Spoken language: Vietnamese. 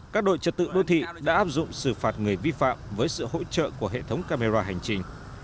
các đội trật tự đô thị đã áp dụng xử phạt người vi phạm với sự hỗ trợ của hệ thống camera hành trình